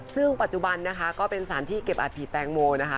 ซึ่งปัจจุบันนะคะก็เป็นสารที่เก็บอัฐิแตงโมนะคะ